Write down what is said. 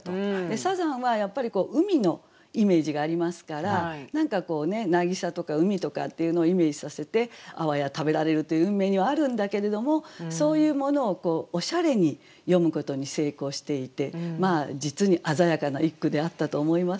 サザンはやっぱり海のイメージがありますから何かこうなぎさとか海とかっていうのをイメージさせてあわや食べられるという運命にはあるんだけれどもそういうものをおしゃれに詠むことに成功していて実に鮮やかな一句であったと思います。